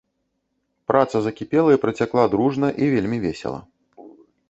Праца закіпела і працякла дружна і вельмі весела.